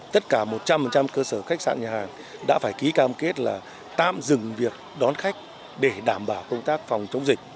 tất cả một trăm linh cơ sở khách sạn nhà hàng đã phải ký cam kết là tạm dừng việc đón khách để đảm bảo công tác phòng chống dịch